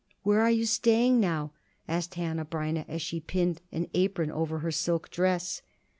"Where are you staying now?" asked Hanneh Breineh as she pinned an apron over her silk dress.